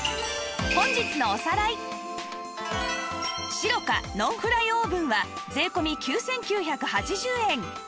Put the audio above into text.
シロカノンフライオーブンは税込９９８０円